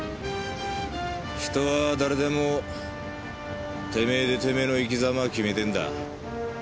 人は誰でもてめえでてめえの生き様を決めてんだ。